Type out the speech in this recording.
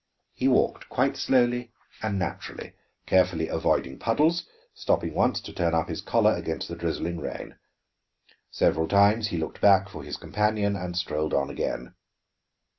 He walked quite slowly and naturally, carefully avoiding puddles, stopping once to turn up his collar against the drizzling rain. Several times he looked back for his companion, and strolled on again.